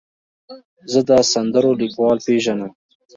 زه د سندرو لیکوال پیژنم.